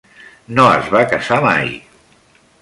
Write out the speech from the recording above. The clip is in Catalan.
No es va casar mai.